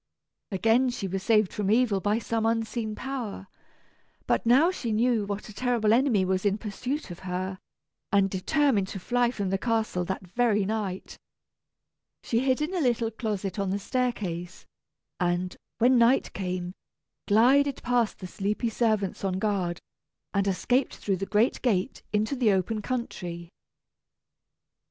Again was she saved from evil by some unseen power; but now she knew what a terrible enemy was in pursuit of her, and determined to fly from the castle that very night. She hid in a little closet on the staircase, and, when night came, glided past the sleepy servants on guard, and escaped through the great gate into the open country.